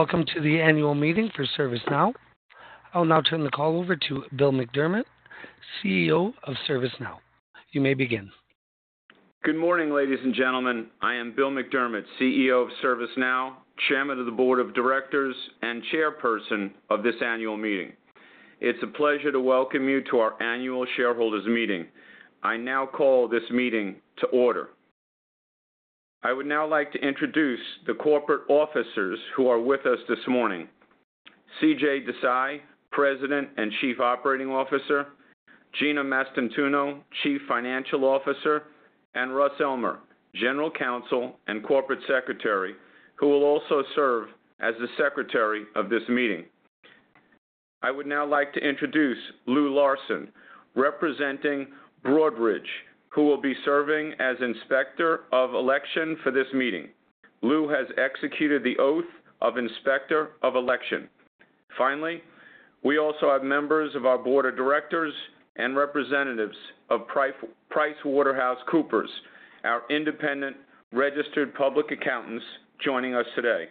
Welcome to the annual meeting for ServiceNow. I will now turn the call over to Bill McDermott, CEO of ServiceNow. You may begin. Good morning, ladies and gentlemen. I am Bill McDermott, CEO of ServiceNow, chairman of the board of directors, and chairperson of this annual meeting. It's a pleasure to welcome you to our annual shareholders meeting. I now call this meeting to order. I would now like to introduce the corporate officers who are with us this morning. CJ Desai, President and Chief Operating Officer, Gina Mastantuono, Chief Financial Officer, and Russ Elmer, General Counsel and Corporate Secretary, who will also serve as the secretary of this meeting. I would now like to introduce Lou Larson, representing Broadridge, who will be serving as Inspector of Election for this meeting. Lou has executed the oath of Inspector of Election. Finally, we also have members of our board of directors and representatives of PricewaterhouseCoopers, our independent registered public accountants, joining us today.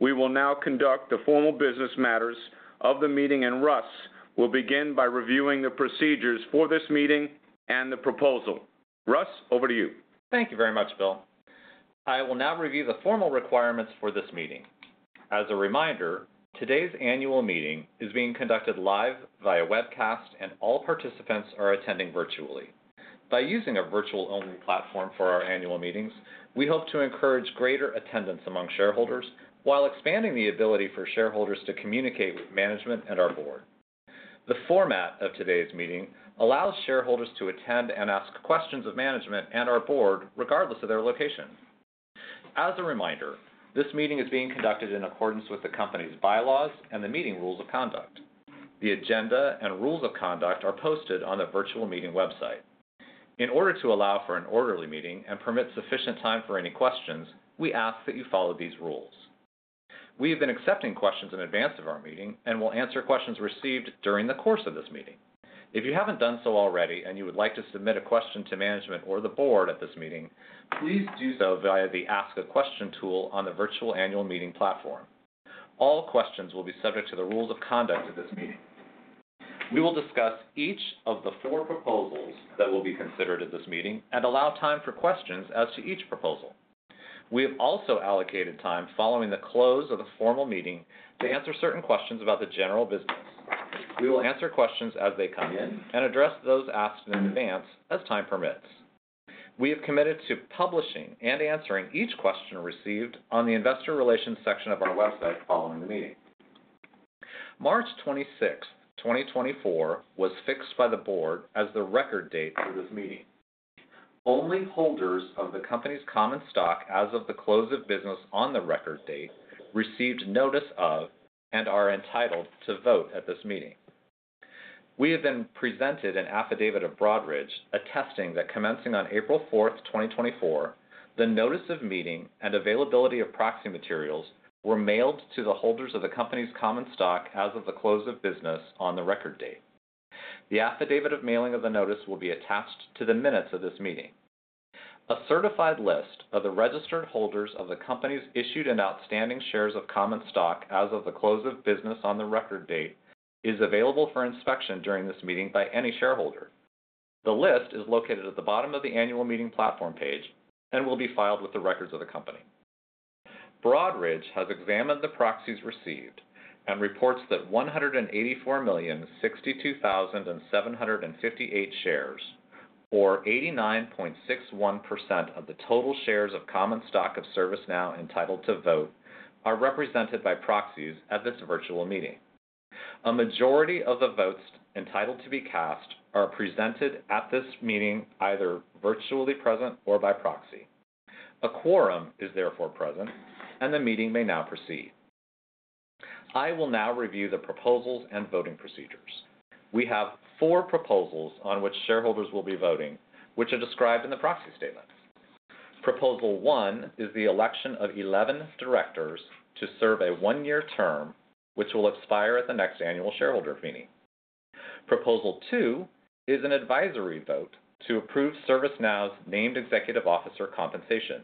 We will now conduct the formal business matters of the meeting, and Russ will begin by reviewing the procedures for this meeting and the proposal. Russ, over to you. Thank you very much, Bill. I will now review the formal requirements for this meeting. As a reminder, today's annual meeting is being conducted live via webcast, and all participants are attending virtually. By using a virtual-only platform for our annual meetings, we hope to encourage greater attendance among shareholders, while expanding the ability for shareholders to communicate with management and our board. The format of today's meeting allows shareholders to attend and ask questions of management and our board, regardless of their location. As a reminder, this meeting is being conducted in accordance with the company's bylaws and the meeting rules of conduct. The agenda and rules of conduct are posted on the virtual meeting website. In order to allow for an orderly meeting and permit sufficient time for any questions, we ask that you follow these rules. We have been accepting questions in advance of our meeting and will answer questions received during the course of this meeting. If you haven't done so already, and you would like to submit a question to management or the board at this meeting, please do so via the Ask a Question tool on the virtual annual meeting platform. All questions will be subject to the rules of conduct of this meeting. We will discuss each of the four proposals that will be considered at this meeting and allow time for questions as to each proposal. We have also allocated time following the close of the formal meeting to answer certain questions about the general business. We will answer questions as they come in and address those asked in advance as time permits. We have committed to publishing and answering each question received on the investor relations section of our website following the meeting. March 26, 2024, was fixed by the board as the record date for this meeting. Only holders of the company's common stock as of the close of business on the record date received notice of and are entitled to vote at this meeting. We have been presented an affidavit of Broadridge, attesting that commencing on April 4, 2024, the notice of meeting and availability of proxy materials were mailed to the holders of the company's common stock as of the close of business on the record date. The affidavit of mailing of the notice will be attached to the minutes of this meeting. A certified list of the registered holders of the company's issued and outstanding shares of common stock as of the close of business on the record date is available for inspection during this meeting by any shareholder. The list is located at the bottom of the annual meeting platform page and will be filed with the records of the company. Broadridge has examined the proxies received and reports that 184,062,758 shares, or 89.61% of the total shares of common stock of ServiceNow entitled to vote, are represented by proxies at this virtual meeting. A majority of the votes entitled to be cast are presented at this meeting, either virtually present or by proxy. A quorum is therefore present, and the meeting may now proceed. I will now review the proposals and voting procedures. We have four proposals on which shareholders will be voting, which are described in the proxy statement. Proposal one is the election of 11 directors to serve a one-year term, which will expire at the next annual shareholder meeting. Proposal two is an advisory vote to approve ServiceNow's named executive officer compensation.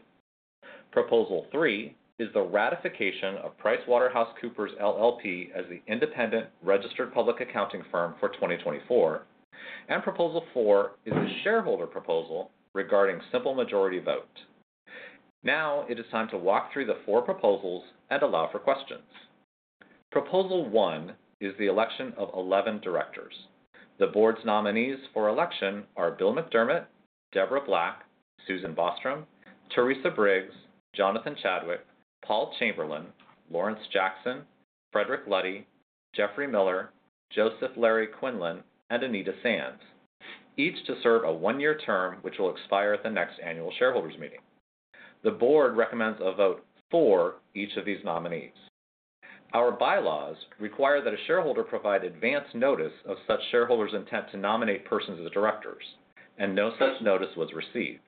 Proposal three is the ratification of PricewaterhouseCoopers LLP as the independent registered public accounting firm for 2024. Proposal four is a shareholder proposal regarding simple majority vote. Now it is time to walk through the four proposals and allow for questions. Proposal one is the election of 11 directors. The board's nominees for election are Bill McDermott, Deborah Black, Susan Bostrom, Teresa Briggs, Jonathan Chadwick, Paul Chamberlain, Lawrence Jackson, Frederic Luddy, Jeffrey Miller, Joseph Larry Quinlan, and Anita Sands, each to serve a one-year term, which will expire at the next annual shareholders meeting. The Board recommends a vote for each of these nominees. Our Bylaws require that a shareholder provide advance notice of such shareholder's intent to nominate persons as directors, and no such notice was received.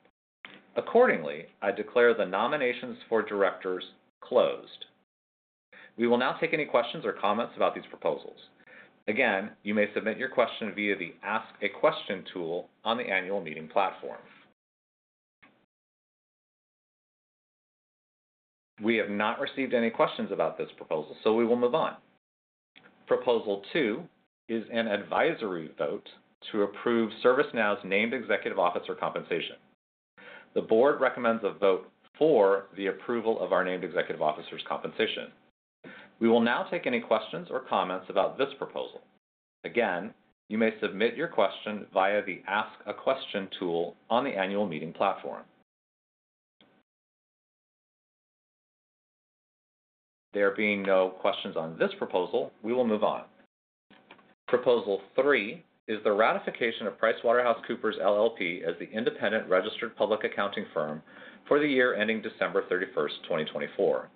Accordingly, I declare the nominations for directors closed. We will now take any questions or comments about these proposals. Again, you may submit your question via the Ask a Question tool on the annual meeting platform.... We have not received any questions about this proposal, so we will move on. Proposal two is an Advisory vote to approve ServiceNow's Named Executive Officer compensation. The Board recommends a vote for the approval of our Named Executive Officer's compensation. We will now take any questions or comments about this proposal. Again, you may submit your question via the Ask a Question tool on the annual meeting platform. There being no questions on this proposal, we will move on. Proposal 3 is the ratification of PricewaterhouseCoopers, LLP, as the independent registered public accounting firm for the year ending December 31, 2024.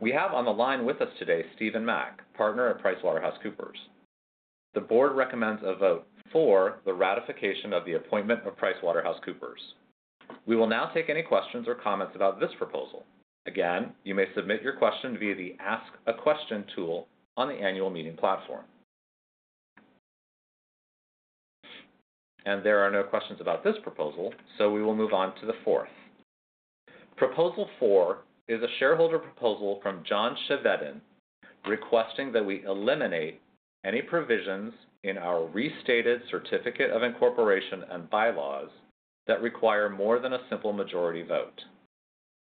We have on the line with us today, Steven Mack, partner at PricewaterhouseCoopers. The board recommends a vote for the ratification of the appointment of PricewaterhouseCoopers. We will now take any questions or comments about this proposal. Again, you may submit your question via the Ask a Question tool on the annual meeting platform. And there are no questions about this proposal, so we will move on to the fourth. Proposal 4 is a shareholder proposal from John Chevedden, requesting that we eliminate any provisions in our restated certificate of incorporation and bylaws that require more than a simple majority vote.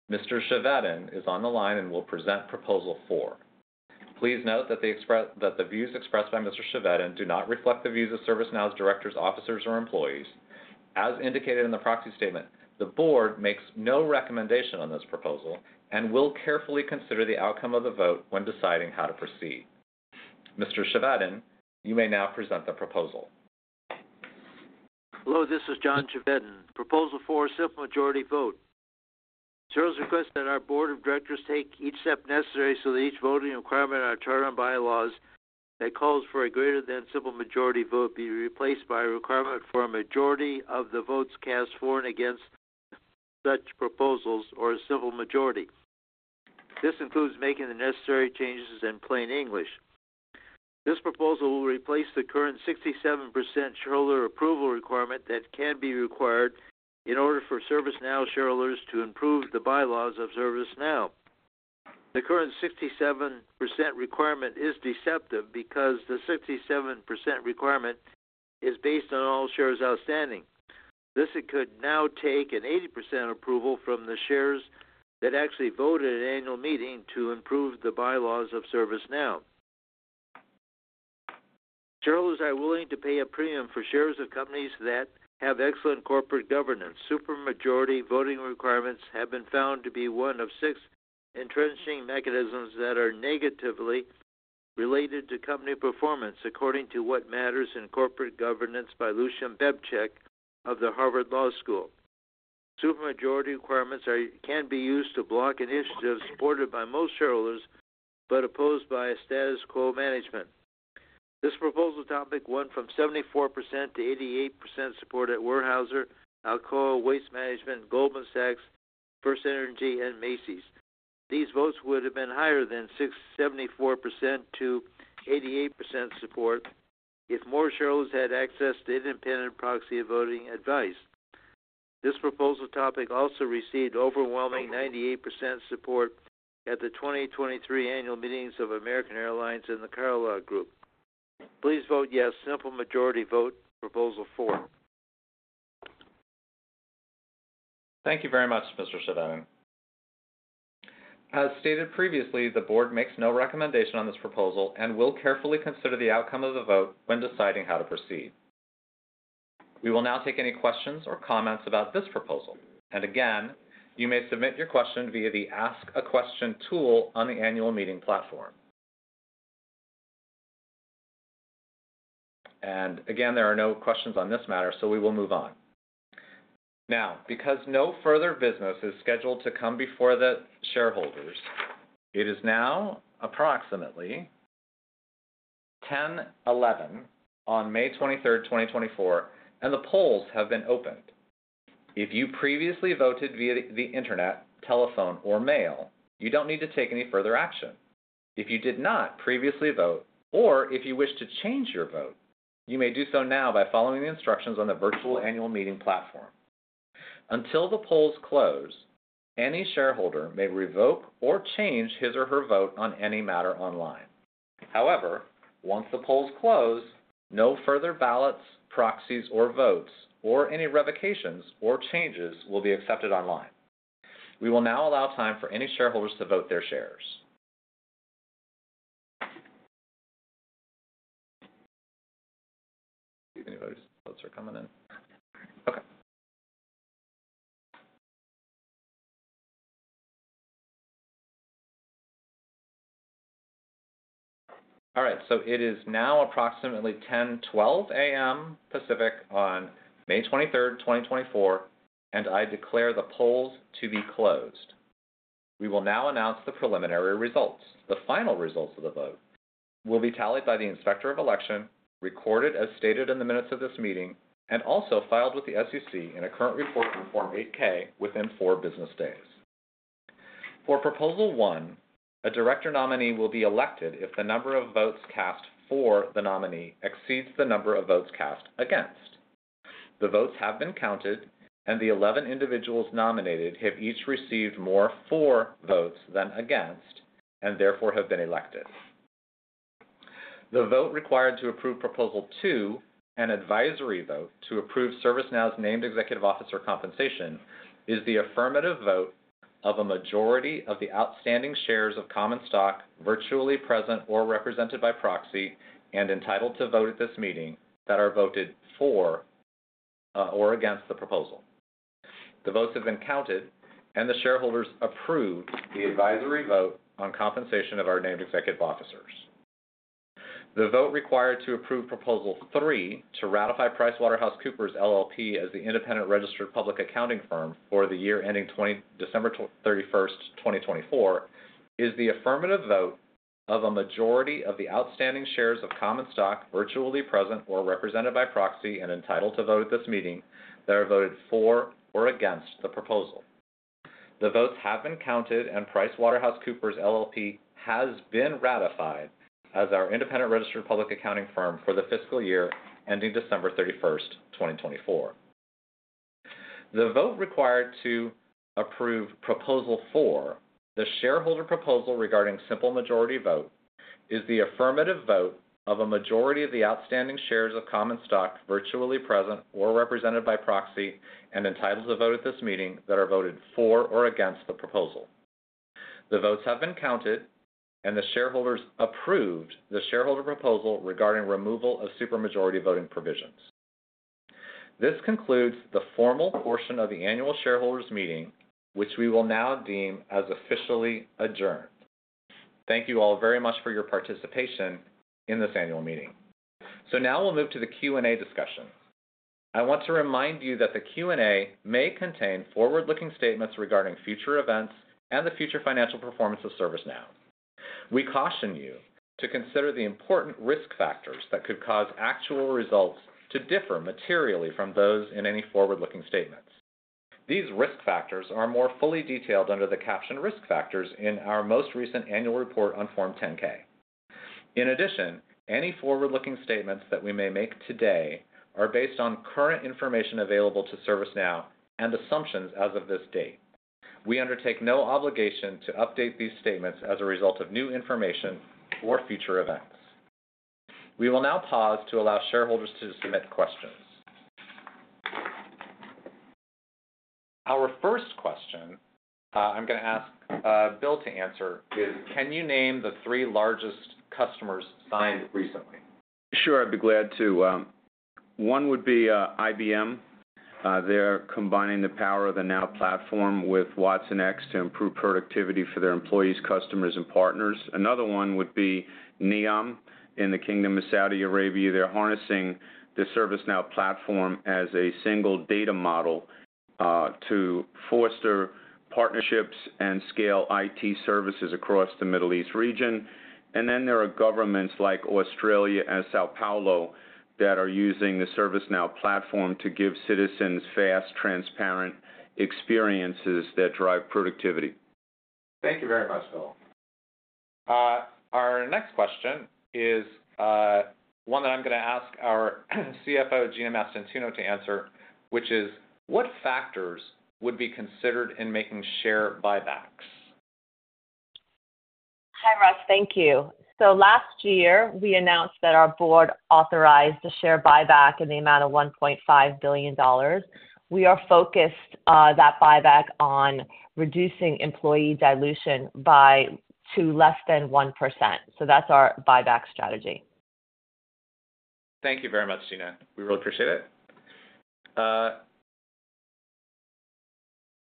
Mr. Chevedden is on the line and will present proposal four. Please note that the views expressed by Mr. Chevedden do not reflect the views of ServiceNow's directors, officers, or employees. As indicated in the proxy statement, the board makes no recommendation on this proposal and will carefully consider the outcome of the vote when deciding how to proceed. Mr. Chevedden, you may now present the proposal. Hello, this is John Chevedden, Proposal Four, simple majority vote. Shareholders request that our Board of Directors take each step necessary so that each voting requirement in our charter and Bylaws that calls for a greater than simple majority vote be replaced by a requirement for a majority of the votes cast for and against such proposals or a simple majority. This includes making the necessary changes in plain English. This proposal will replace the current 67% shareholder approval requirement that can be required in order for ServiceNow shareholders to improve the Bylaws of ServiceNow. The current 67% requirement is deceptive because the 67% requirement is based on all shares outstanding. This could now take an 80% approval from the shares that actually voted at an annual meeting to improve the Bylaws of ServiceNow. Shareholders are willing to pay a premium for shares of companies that have excellent corporate governance. Supermajority voting requirements have been found to be one of six entrenching mechanisms that are negatively related to company performance, according to What Matters in Corporate Governance by Lucian Bebchuk of the Harvard Law School. Supermajority requirements can be used to block initiatives supported by most shareholders, but opposed by a status quo management. This proposal topic went from 74% to 88% support at Weyerhaeuser, Alcoa, Waste Management, Goldman Sachs, FirstEnergy, and Macy's. These votes would have been higher than 74% to 88% support if more shareholders had access to independent proxy voting advice. This proposal topic also received overwhelming 98% support at the 2023 annual meetings of American Airlines and the Kellogg Company. Please vote yes, simple majority vote, Proposal Four. Thank you very much, Mr. Chevedden. As stated previously, the board makes no recommendation on this proposal and will carefully consider the outcome of the vote when deciding how to proceed. We will now take any questions or comments about this proposal, and again, you may submit your question via the Ask a Question tool on the annual meeting platform. And again, there are no questions on this matter, so we will move on. Now, because no further business is scheduled to come before the shareholders, it is now approximately 10:11 A.M. on May 23, 2024, and the polls have been opened. If you previously voted via the internet, telephone, or mail, you don't need to take any further action. If you did not previously vote or if you wish to change your vote, you may do so now by following the instructions on the virtual annual meeting platform. Until the polls close, any shareholder may revoke or change his or her vote on any matter online. However, once the polls close, no further ballots, proxies, or votes, or any revocations or changes will be accepted online. We will now allow time for any shareholders to vote their shares. Any votes, votes are coming in. Okay. All right, so it is now approximately 10:12 A.M. Pacific on May 23, 2024, and I declare the polls to be closed. We will now announce the preliminary results. The final results of the vote will be tallied by the Inspector of Election, recorded as stated in the minutes of this meeting, and also filed with the SEC in a current report on Form 8-K within four business days. For Proposal one, a director nominee will be elected if the number of votes cast for the nominee exceeds the number of votes cast against. The votes have been counted, and the 11 individuals nominated have each received more for votes than against, and therefore have been elected. The vote required to approve Proposal two, an advisory vote, to approve ServiceNow's Named Executive Officer compensation, is the affirmative vote of a majority of the outstanding shares of common stock, virtually present or represented by proxy and entitled to vote at this meeting that are voted for or against the proposal. The votes have been counted, and the shareholders approved the advisory vote on compensation of our named executive officers. The vote required to approve Proposal three, to ratify PricewaterhouseCoopers LLP as the independent registered public accounting firm for the year ending December 31, 2024, is the affirmative vote of a majority of the outstanding shares of common stock, virtually present or represented by proxy, and entitled to vote at this meeting that are voted for or against the proposal. The votes have been counted, and PricewaterhouseCoopers LLP has been ratified as our independent registered public accounting firm for the fiscal year ending December 31, 2024. The vote required to approve Proposal four, the shareholder proposal regarding simple majority vote, is the affirmative vote of a majority of the outstanding shares of common stock, virtually present or represented by proxy, and entitled to vote at this meeting that are voted for or against the proposal. The votes have been counted, and the shareholders approved the shareholder proposal regarding removal of supermajority voting provisions. This concludes the formal portion of the annual shareholders meeting, which we will now deem as officially adjourned. Thank you all very much for your participation in this annual meeting. So now we'll move to the Q&A discussion. I want to remind you that the Q&A may contain forward-looking statements regarding future events and the future financial performance of ServiceNow. We caution you to consider the important risk factors that could cause actual results to differ materially from those in any forward-looking statements. These risk factors are more fully detailed under the caption Risk Factors in our most recent annual report on Form 10-K. In addition, any forward-looking statements that we may make today are based on current information available to ServiceNow and assumptions as of this date. We undertake no obligation to update these statements as a result of new information or future events. We will now pause to allow shareholders to submit questions. Our first question, I'm gonna ask, Bill to answer is: Can you name the three largest customers signed recently? Sure, I'd be glad to. One would be IBM. They're combining the power of the Now Platform with watsonx to improve productivity for their employees, customers, and partners. Another one would be NEOM in the Kingdom of Saudi Arabia. They're harnessing the ServiceNow platform as a single data model to foster partnerships and scale IT services across the Middle East region. And then there are governments like Australia and São Paulo that are using the ServiceNow platform to give citizens fast, transparent experiences that drive productivity. Thank you very much, Bill. Our next question is one that I'm gonna ask our CFO, Gina Mastantuono, to answer, which is: What factors would be considered in making share buybacks? Hi, Russ. Thank you. So last year, we announced that our board authorized a share buyback in the amount of $1.5 billion. We are focused that buyback on reducing employee dilution to less than 1%. So that's our buyback strategy. Thank you very much, Gina. We really appreciate it.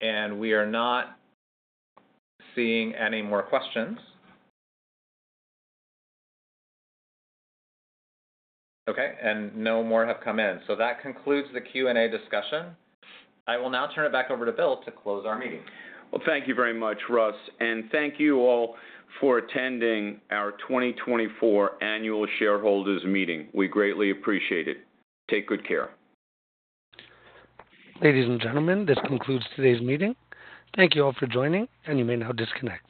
And we are not seeing any more questions. Okay, and no more have come in. So that concludes the Q&A discussion. I will now turn it back over to Bill to close our meeting. Well, thank you very much, Russ, and thank you all for attending our 2024 Annual Shareholders Meeting. We greatly appreciate it. Take good care. Ladies and gentlemen, this concludes today's meeting. Thank you all for joining, and you may now disconnect.